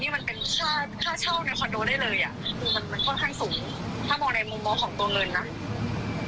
ถ้ามองในมุมมองของตัวเงินนะ